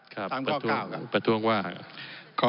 ครับประท้วงว่าครับ